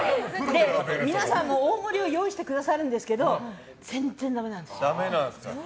皆さん大盛りを用意してくださるんですけど全然、ダメなんですよ。